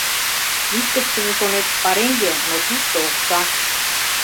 Иктыштыже, шонет, пареҥге, но тушто окса.